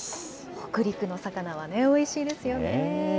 北陸の魚はね、おいしいですよね。